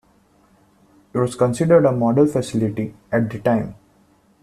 It was considered a model facility at the time.